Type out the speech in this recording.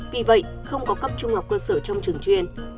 vì vậy không có cấp trung học cơ sở trong trường chuyên